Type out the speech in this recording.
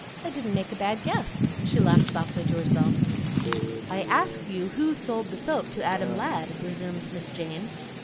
"I didn't make a bad guess;" and she laughed softly to herself. "I asked you who sold the soap to Adam Ladd?" resumed Miss Jane.